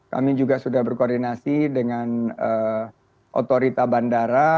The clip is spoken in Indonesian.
kami juga sudah berkoordinasi dengan otorita bandara